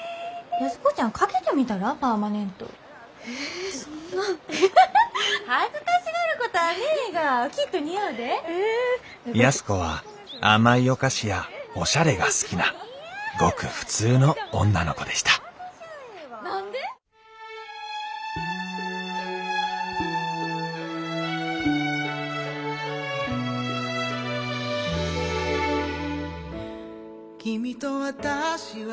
安子は甘いお菓子やおしゃれが好きなごく普通の女の子でした「君と私は仲良くなれるかな」